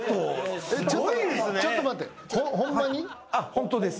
ホントです。